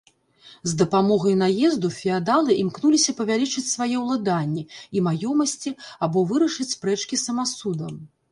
З дапамогай наезду феадалы імкнуліся павялічыць свае ўладанні і маёмасці або вырашыць спрэчкі самасудам.